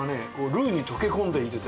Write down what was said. ルーに溶け込んでいてね